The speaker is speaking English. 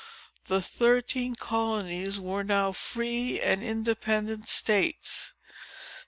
The thirteen colonies were now free and independent states.